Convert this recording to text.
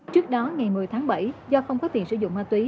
trước đó ngày một mươi tháng bảy do không có tiền sử dụng ma túy